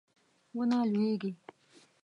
ونه لویږي